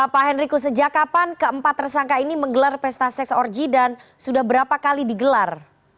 pak henriku sejak kapan keempat tersangka ini menggelar pesta seks orgi dan sudah berapa kali digelar